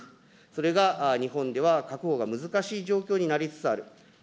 それが日本では確保が難しい状況になりつつある。